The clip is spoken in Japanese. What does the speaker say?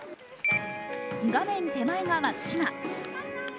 画面手前が松島。